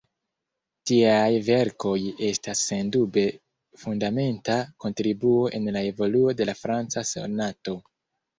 Tiaj verkoj estas sendube fundamenta kontribuo en la evoluo de la franca sonato.